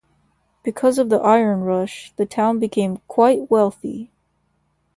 Because of the "iron rush" the town became quite wealthy.